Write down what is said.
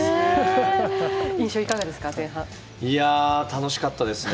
楽しかったですね。